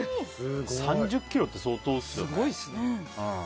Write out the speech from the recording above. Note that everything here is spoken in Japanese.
３０ｋｍって相当ですよね。